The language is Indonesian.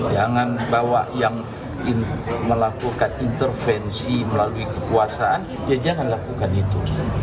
jangan bawa yang melakukan intervensi melalui kekuasaan ya jangan lakukan itu